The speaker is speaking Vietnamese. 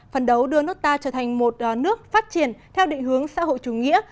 phần đấu đưa nước ta trở thành một nước phát triển theo định hướng xã hội chủ nghĩa